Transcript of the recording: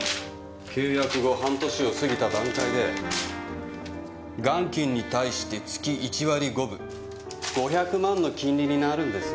契約後半年を過ぎた段階で「元金に対して月一割五分」５００万の金利になるんですよ。